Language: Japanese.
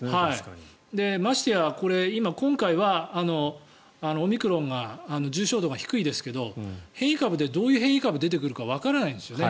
ましてや今、今回はオミクロンが重症度が低いですけど変異株でどういう変異株が出てくるかわからないんですよね。